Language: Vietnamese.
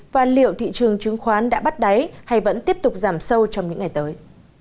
và liệu thị trường chứng khoán đã bắt đáy hay vẫn tiếp tục giảm sâu trong những ngày tới